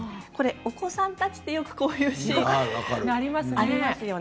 これ、お子さんたちでよくこういうシーン、ありますね。